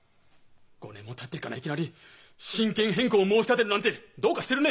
５年もたってからいきなり親権変更を申し立てるなんてどうかしてるね！